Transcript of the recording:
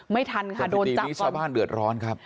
ไม่ทันค่ะโดนจับก่อนแต่ปีที่นี้ชาวบ้านเดือดร้อนครับ